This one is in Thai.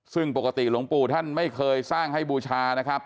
ซึ่งปกติหลวงปู่ท่านไม่เคยสร้างให้บูชานะครับ